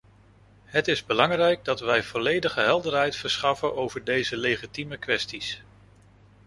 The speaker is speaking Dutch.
Het is belangrijk dat we volledige helderheid verschaffen over deze legitieme kwesties.